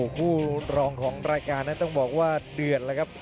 คู่รองของรายการนั้นต้องบอกว่าเดือดแล้วครับ